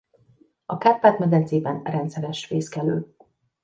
A Kárpát-medencében rendszeres fészkelő.